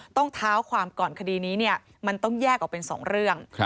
ต้องเท้าความก่อนคดีนี้มันต้องแยกออกเป็น๒เรื่อง